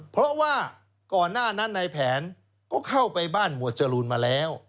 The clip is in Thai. เพราะว่าก่อนหน้านั้นในแผนก็เข้าไปบ้านหมวดจรูนมาแล้ว